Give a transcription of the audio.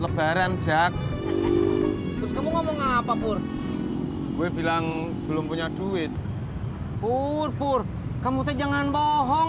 lebaran jack kamu ngomong apa pur gue bilang belum punya duit purpur kamu teh jangan bohong